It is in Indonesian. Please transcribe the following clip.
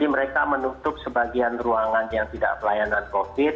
mereka menutup sebagian ruangan yang tidak pelayanan covid